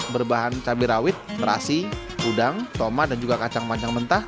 berbahan cabai rawit terasi udang tomat dan juga kacang panjang mentah